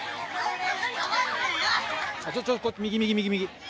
ちょっと、右、右、右。